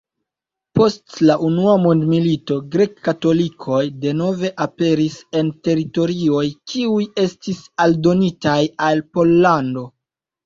Post la unua mondmilito grek-katolikoj denove aperis en teritorioj kiuj estis aldonitaj al Pollando.